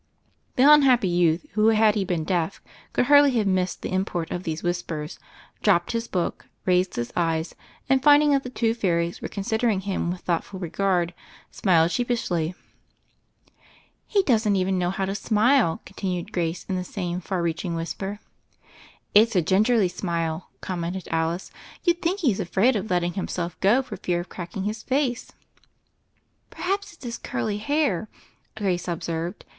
The unhappy youth, who, had he been deaf, could hardly have missed the import of these whispers, dropped his book, raised his eyes, and finding that the two fairies were considering him with thoughtful regard, smiled sheepishly. THE FAIRY OF THE SNOWS 163 "He doesn't even know how to smile," con tinued Grace in the same far reaching wtiisper. "It's a^ gingerly smile," commented Alice; "you'd think he's afraid of letting himself go for fear of cracking his face." "Perhaps it's his curly hair," Grace observed.